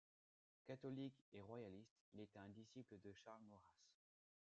Catholique et royaliste, il était un disciple de Charles Maurras.